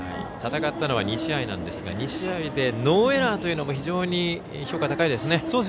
戦ったのは２試合なんですが２試合でノーエラーというのも非常に評価、高いですね。